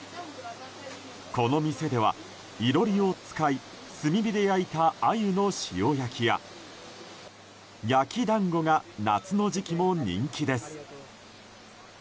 この店では囲炉裏を使い炭火で焼いたアユの塩焼きや焼き団子が夏の時期も人気です。